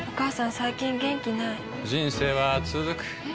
最近元気ない人生はつづくえ？